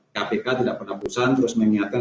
kpk tidak pernah bosan terus mengingatkan